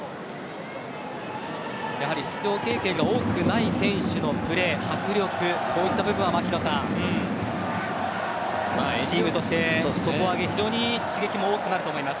やはり出場経験が多くない選手のプレー迫力、こういった部分はチームとしてそこは非常に刺激も多くなると思います。